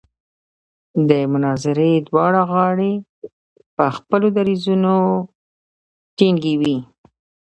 د مناظرې دواړه غاړې په خپلو دریځونو ټینګې وې.